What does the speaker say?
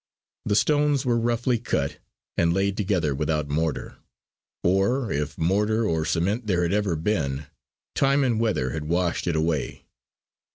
The stones were roughly cut and laid together without mortar; or if mortar or cement there had ever been, time and weather had washed it away.